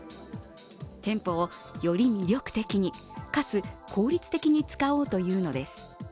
店舗をより魅力的に、かつ効率的に使おうというのです。